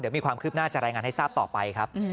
เดี๋ยวมีความคลิบหน้าจะแรงงานให้ทราบต่อไปครับ